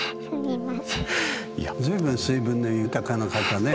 随分水分の豊かな方ね。